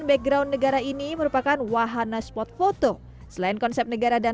background negara ini merupakan wahana spot foto selain konsep negara dan